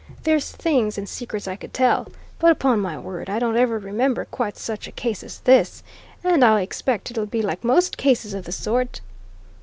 There's things and secrets I could tell! But upon my word, I don't ever remember quite such a case as this. And I expect it'll be like most cases of the sort!"